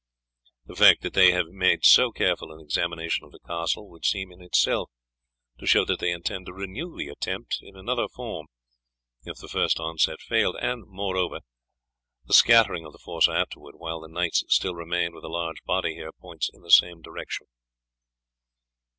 The fact that they have made so careful an examination of the castle would seem in itself to show that they intended to renew the attempt in another form if the first onset failed, and, moreover, the scattering of the force afterwards while the knights still remained with a large body here points in the same direction."